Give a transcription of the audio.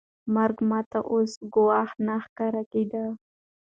مرګ ما ته اوس ګواښ نه ښکاره کېده.